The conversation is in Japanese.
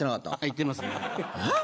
言ってますねはい。